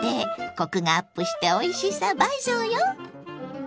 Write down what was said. コクがアップしておいしさ倍増よ！